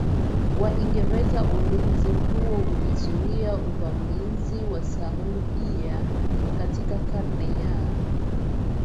wa Uingereza Ulinzi huo ulizuia uvamizi wa Saudia katika karne ya